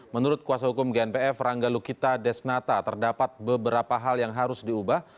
menurut kuasa hukum gnpf rangga lukita desnata terdapat beberapa hal yang harus diubah